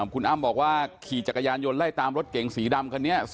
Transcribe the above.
คุณอ้ำบอกว่าขี่จักรยานยนต์ไล่ตามรถเก๋งสีดำคันนี้